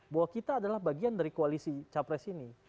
bahwa kita adalah bagian dari koalisi capres ini